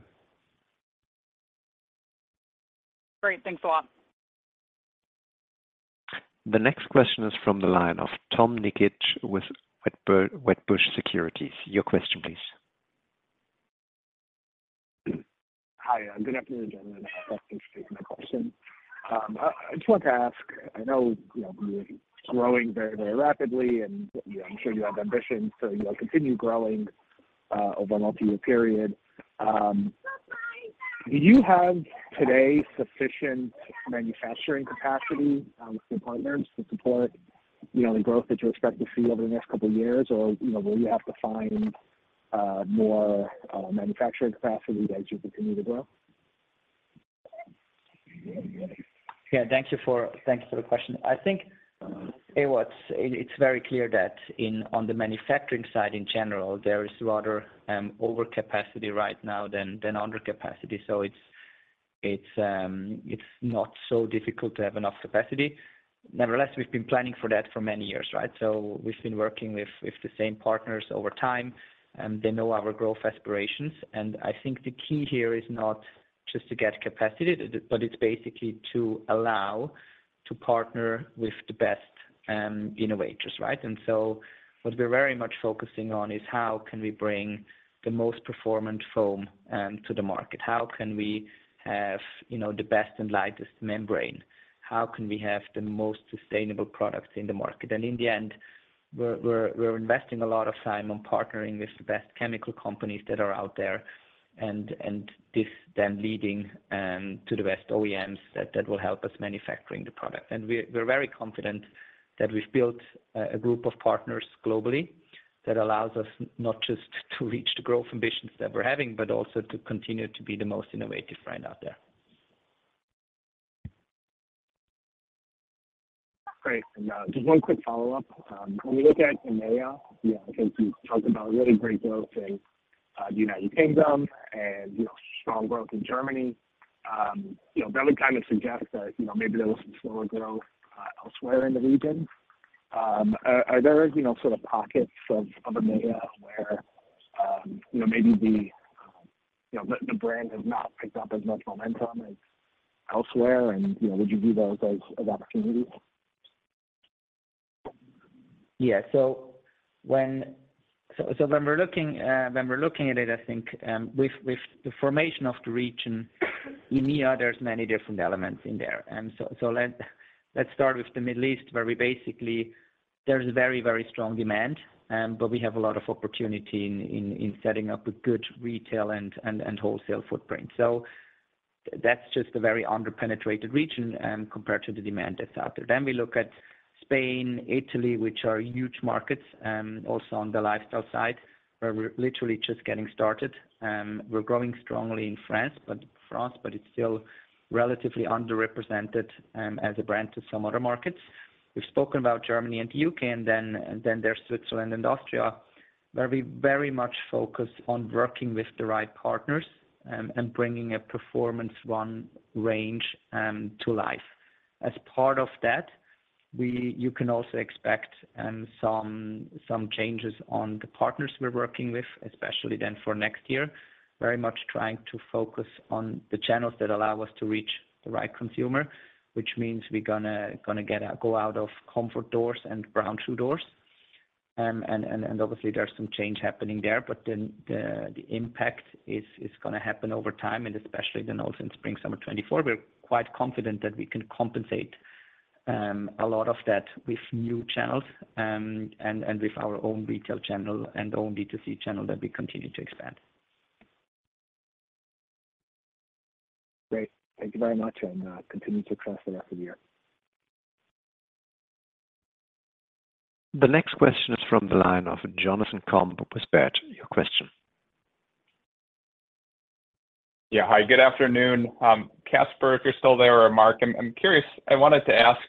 Great. Thanks a lot. The next question is from the line of Tom Nikic with Wedbush Securities. Your question please. Hi, good afternoon, gentlemen. Thanks for taking my question. I just wanted to ask, I know, you know, you're growing very, very rapidly and, you know, I'm sure you have ambitions to, you know, continue growing over a multiyear period. Do you have today sufficient manufacturing capacity with your partners to support, you know, the growth that you expect to see over the next couple years? Or, you know, will you have to find more manufacturing capacity as you continue to grow? Yeah. Thanks for the question. I think, it's very clear that on the manufacturing side in general, there is rather overcapacity right now than under capacity. It's not so difficult to have enough capacity. Nevertheless, we've been planning for that for many years, right? We've been working with the same partners over time, and they know our growth aspirations. I think the key here is not just to get capacity, but it's basically to allow to partner with the best innovators, right? What we're very much focusing on is how can we bring the most performant foam to the market? How can we have, you know, the best and lightest membrane? How can we have the most sustainable products in the market? In the end, we're investing a lot of time on partnering with the best chemical companies that are out there and this leading to the best OEMs that will help us manufacturing the product. We're very confident that we've built a group of partners globally that allows us not just to reach the growth ambitions that we're having, but also to continue to be the most innovative brand out there. Great. Just one quick follow-up. When we look at EMEA, you know, again, you talked about really great growth in United Kingdom and, you know, strong growth in Germany. You know, that would kind of suggest that, you know, maybe there was some slower growth elsewhere in the region. Are there, you know, sort of pockets of EMEA where you know, maybe the, you know, the brand has not picked up as much momentum as elsewhere and, you know, would you view those as opportunities? Yeah. When we're looking at it, I think, with the formation of the region in EMEA, there's many different elements in there. Let's start with the Middle East, where we basically there's very strong demand, but we have a lot of opportunity in setting up a good retail and wholesale footprint. That's just a very under-penetrated region, compared to the demand that's out there. We look at Spain, Italy, which are huge markets, also on the lifestyle side, where we're literally just getting started. We're growing strongly in France, but it's still relatively underrepresented, as a brand to some other markets. We've spoken about Germany and the U.K, and then there's Switzerland and Austria, where we very much focus on working with the right partners and bringing a performance On range to life. As part of that, you can also expect some changes on the partners we're working with, especially then for next year. Very much trying to focus on the channels that allow us to reach the right consumer, which means we're gonna get a go out of comfort doors and brown shoe doors. Obviously there's some change happening there, then the impact is gonna happen over time, especially then also in spring/summer 2024, we're quite confident that we can compensate a lot of that with new channels, and with our own retail channel and own D2C channel that we continue to expand. Great. Thank you very much. Continue success the rest of the year. The next question is from the line of Jonathan Komp. Mr. Komp, your question. Yeah. Hi, good afternoon. Caspar, if you're still there or Marc, I'm curious, I wanted to ask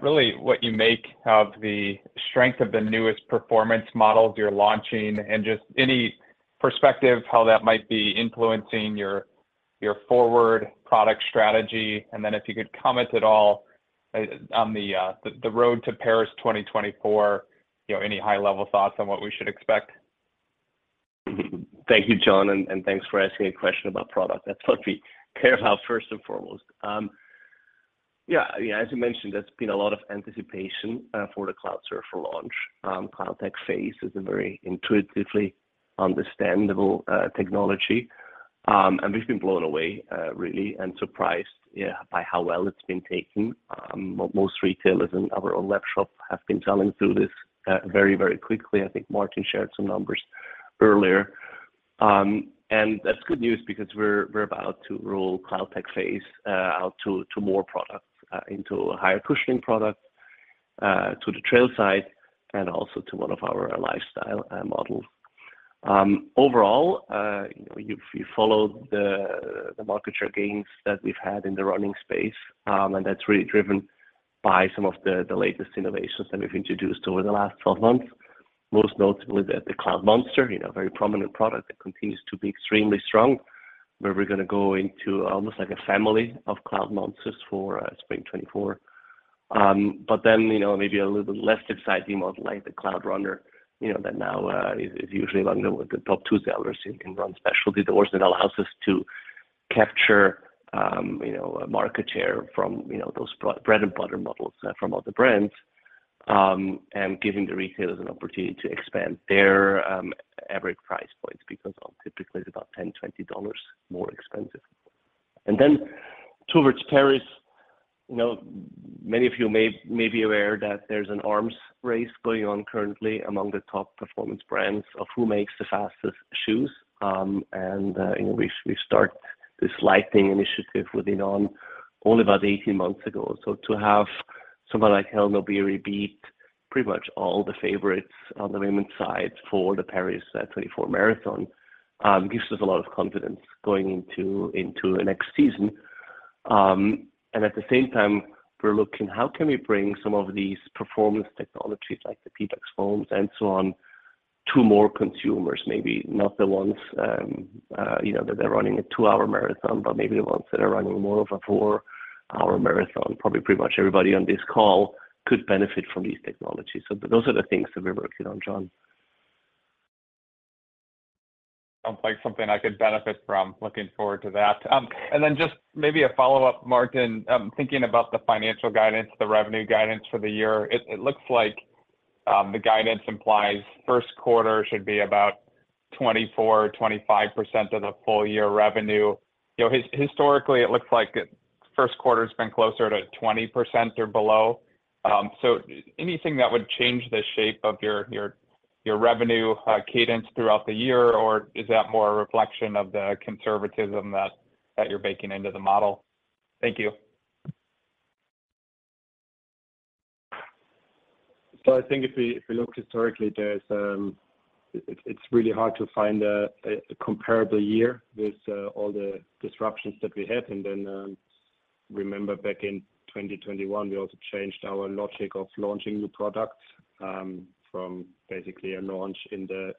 really what you make of the strength of the newest performance models you're launching and just any perspective how that might be influencing your forward product strategy. Then if you could comment at all on the road to Paris 2024, you know, any high-level thoughts on what we should expect? Thank you, John, and thanks for asking a question about product. That's what we care about first and foremost. Yeah. As you mentioned, there's been a lot of anticipation for the Cloudsurfer launch. CloudTec Phase is a very intuitively understandable technology. We've been blown away, really, and surprised, yeah, by how well it's been taken. Most retailers in our own lab shop have been selling through this very quickly. I think Martin shared some numbers earlier. That's good news because we're about to roll CloudTec Phase out to more products, into higher cushioning products, to the trail side and also to one of our lifestyle models. Overall, you know, you follow the market share gains that we've had in the running space. That's really driven by some of the latest innovations that we've introduced over the last 12 months, most notably the Cloudmonster, you know, very prominent product that continues to be extremely strong, where we're gonna go into almost like a family of Cloudmonsters for spring 2024. Maybe a little bit less exciting model like the Cloudrunner, you know, that now is usually one of the top two sellers in run specialty doors, and allows us to capture a market share from those bread and butter models from other brands, and giving the retailers an opportunity to expand their average price points because typically it's about $10-$20 more expensive. Towards Paris, you know, many of you may be aware that there's an arms race going on currently among the top performance brands of who makes the fastest shoes. You know, we start this lightning initiative within On only about 18 months ago. To have someone like Hellen Obiri beat pretty much all the favorites on the women's side for the Paris 2024 marathon, gives us a lot of confidence going into next season. At the same time, we're looking how can we bring some of these performance technologies like the Pebax foams and so on to more consumers, maybe not the ones, you know, that are running a two-hour marathon, but maybe the ones that are running more of a 4-hour marathon. Probably pretty much everybody on this call could benefit from these technologies. Those are the things that we're working on, John. Sounds like something I could benefit from. Looking forward to that. Just maybe a follow-up, Martin. Thinking about the financial guidance, the revenue guidance for the year, it looks like, the guidance implies first quarter should be about 24%-25% of the full year revenue. You know, historically, it looks like first quarter's been closer to 20% or below. Anything that would change the shape of your revenue cadence throughout the year, or is that more a reflection of the conservatism that you're baking into the model? Thank you. I think if we look historically, there's it's really hard to find a comparable year with all the disruptions that we had. Remember back in 2021, we also changed our logic of launching new products from basically a launch in the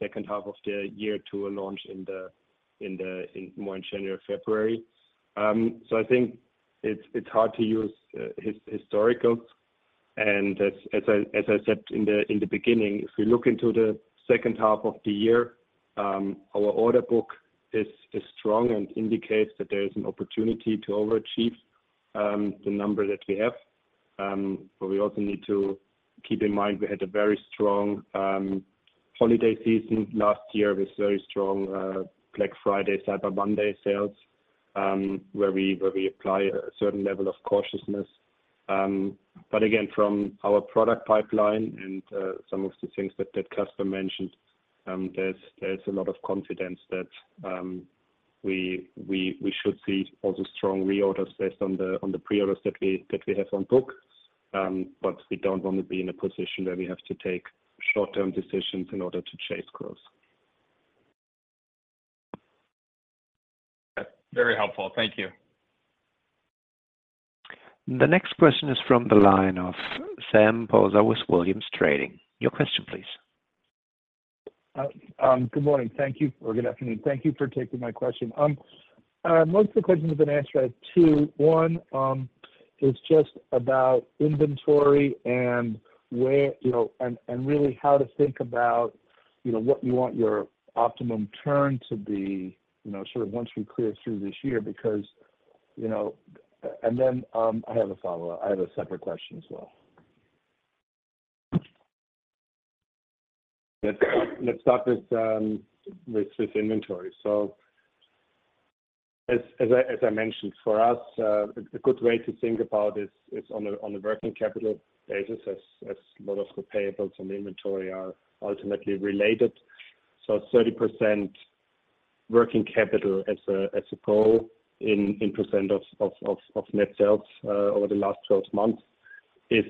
second half of the year to a launch in more in January, February. I think it's hard to use historical. As I said in the beginning, if we look into the second half of the year, our order book is strong and indicates that there is an opportunity to overachieve the number that we have. We also need to keep in mind we had a very strong holiday season last year with very strong Black Friday, Cyber Monday sales, where we apply a certain level of cautiousness. Again, from our product pipeline and some of the things that Caspar mentioned, there's a lot of confidence that we should see also strong reorders based on the pre-orders that we have on book. We don't wanna be in a position where we have to take short-term decisions in order to chase growth. Very helpful. Thank you. The next question is from the line of Sam Poser with Williams Trading. Your question please. Good morning. Thank you. Or good afternoon. Thank you for taking my question. Most of the questions have been answered. I have two. One is just about inventory and where, you know, and really how to think about, you know, what you want your optimum turn to be, you know, sort of once we clear through this year. Because, you know. I have a follow-up. I have a separate question as well. Let's start with inventory. As I mentioned, for us, a good way to think about is on the working capital basis as a lot of the payables and the inventory are ultimately related. 30% working capital as a goal in percent of net sales over the last 12 months is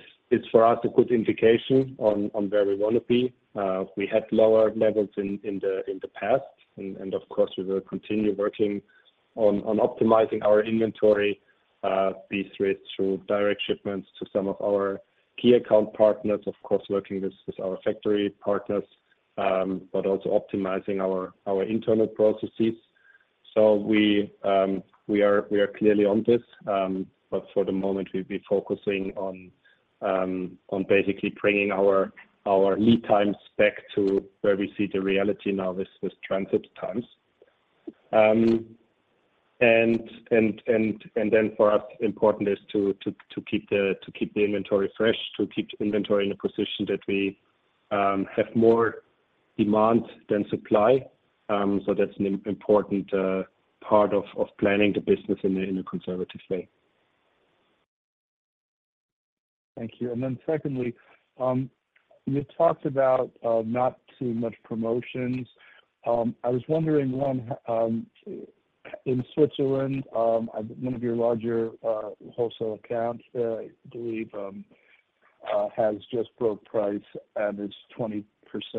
for us a good indication on where we wanna be. We had lower levels in the past and of course, we will continue working on optimizing our inventory, be it through direct shipments to some of our key account partners, of course, working with our factory partners, but also optimizing our internal processes. We are clearly on this, but for the moment we'll be focusing on basically bringing our lead times back to where we see the reality now with transit times. For us important is to keep the inventory fresh, to keep the inventory in a position that we have more demand than supply. That's an important part of planning the business in a conservative way. Thank you. Secondly, you talked about not too much promotions. I was wondering one, in Switzerland, one of your larger wholesale accounts there, I believe, has just broke price and is 20%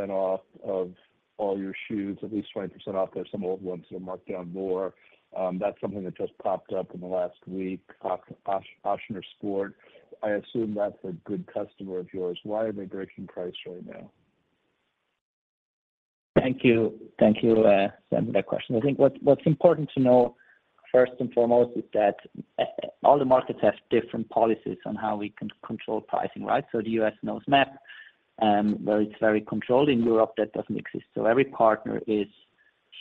off of all your shoes. At least 20% off. There are some old ones that are marked down more. That's something that just popped up in the last week. Ochsner Sport. I assume that's a good customer of yours. Why are they breaking price right now? Thank you. Thank you, Sam, for that question. I think what's important to know first and foremost is that all the markets have different policies on how we control pricing, right? The U.S. knows MAP, where it's very controlled. In Europe, that doesn't exist. Every partner is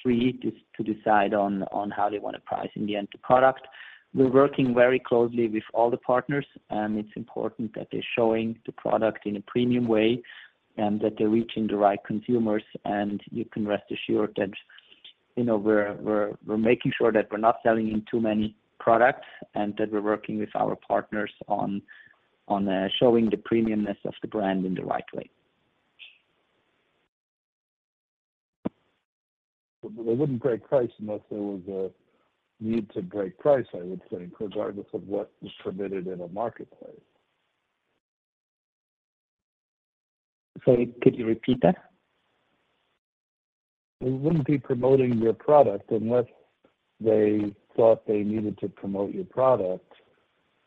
free to decide on how they wanna price in the end product. We're working very closely with all the partners, and it's important that they're showing the product in a premium way, and that they're reaching the right consumers. You can rest assured that, you know, we're making sure that we're not selling in too many products and that we're working with our partners on showing the premiumness of the brand in the right way. They wouldn't break price unless there was a need to break price, I would say, regardless of what was permitted in a marketplace. Sorry, could you repeat that? They wouldn't be promoting your product unless they thought they needed to promote your product,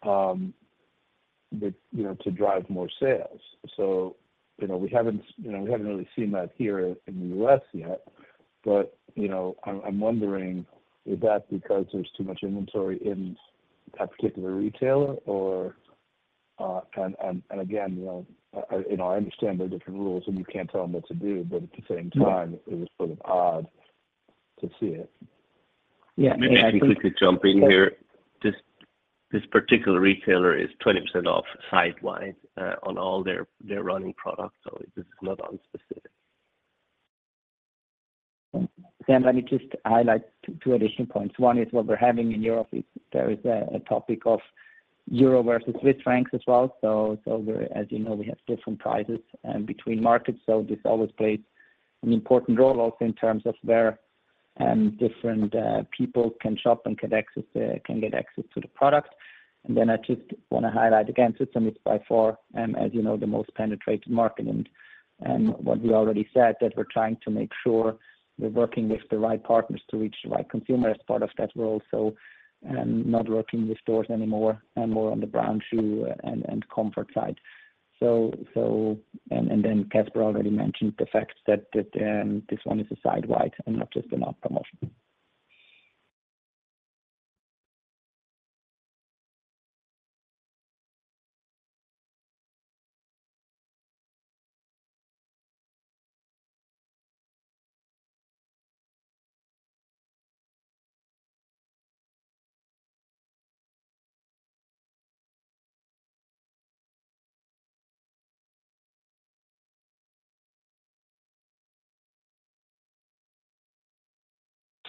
with, you know, to drive more sales. You know, we haven't really seen that here in the U.S. yet, but, you know, I'm wondering is that because there's too much inventory in that particular retailer or. Again, you know, I understand there are different rules and you can't tell them what to do, but at the same time, it was sort of odd to see it. Yeah. Maybe I can quickly jump in here. This particular retailer is 20% off sitewide on all their running products, so this is not unspecific. Sam, let me just highlight two additional points. One is what we're having in Europe is there is a topic of euro versus Swiss francs as well. we're as you know, we have different prices between markets. This always plays an important role also in terms of where different people can shop and can get access to the product. I just wanna highlight again, Switzerland is by far, as you know, the most penetrated market. what we already said, that we're trying to make sure we're working with the right partners to reach the right consumer. As part of that, we're also not working with stores anymore and more on the brown shoe and comfort side. Then Caspar already mentioned the fact that, this one is a sitewide and not just an off promotion.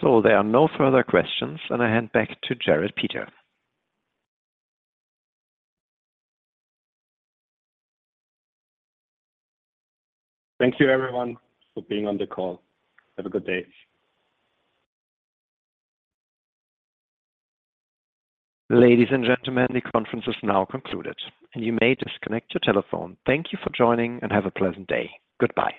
There are no further questions, and I hand back to Jerrit Peter. Thank you everyone for being on the call. Have a good day. Ladies and gentlemen, the conference is now concluded and you may disconnect your telephone. Thank you for joining and have a pleasant day. Goodbye.